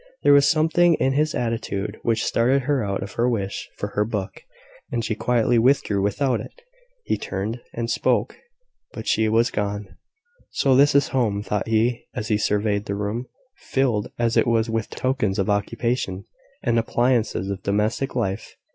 There was something in his attitude which startled her out of her wish for her book, and she quietly withdrew without it. He turned, and spoke, but she was gone. "So this is home!" thought he, as he surveyed the room, filled as it was with tokens of occupation, and appliances of domestic life.